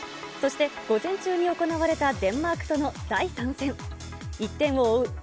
そして、午前中に行われたデンマークとの第３戦、１点を追う